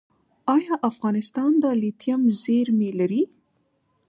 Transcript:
آیا افغانستان د لیتیم زیرمې لري؟